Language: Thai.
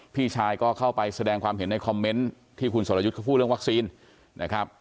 พี่ชายก็เข้าไปแสดงความเห็นในคอมเมนต์ที่คุณสรยุทธ์เขาพูดเรื่องวัคซีนนะครับ